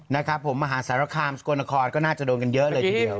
มาหาแสระคารม์สโกนะครก็น่าจะโดนกันเยอะเลยทีเดียว